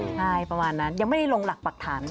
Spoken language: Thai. ใช่ประมาณนั้นยังไม่ได้ลงหลักปรักฐาน